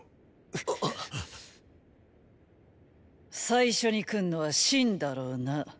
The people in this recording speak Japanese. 最初に来んのは秦だろうな。